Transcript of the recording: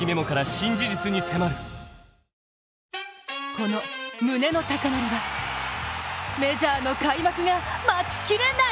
この胸の高鳴りはメジャーの開幕が待ちきれない！